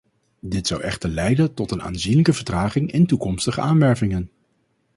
Dit zou echter leiden tot een aanzienlijke vertraging in toekomstige aanwervingen.